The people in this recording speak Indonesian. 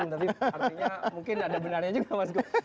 tapi artinya mungkin ada benarnya juga mas gun